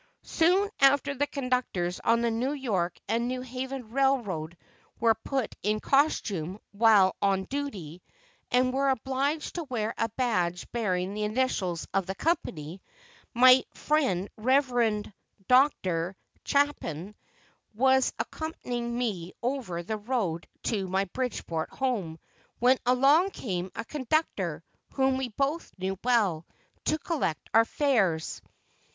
Soon after the conductors on the New York and New Haven Railroad were put in costume while on duty, and were obliged to wear a badge bearing the initials of the company, my friend Rev. Dr. Chapin was accompanying me over the road to my Bridgeport home, when along came a conductor, whom we both knew well, to collect our fares.